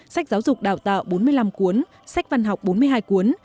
sách giáo dục đào tạo bốn mươi năm cuốn sách văn học bốn mươi hai cuốn